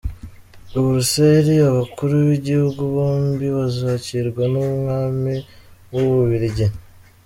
I Buruseli abakuru b’ibihugu byombi bazakirwa n’Umwami w’u Bubiligi.